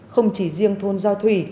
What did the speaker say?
không chỉ riêng thôn giao thủy